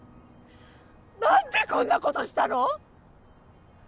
何でこんなことしたの？